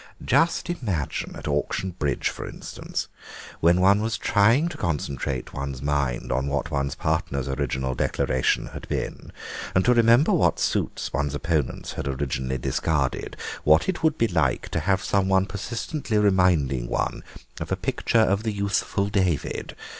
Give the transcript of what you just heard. "Just imagine at auction bridge, for instance, when one was trying to concentrate one's mind on what one's partner's original declaration had been, and to remember what suits one's opponents had originally discarded, what it would be like to have some one persistently reminding one of a picture of the youthful David.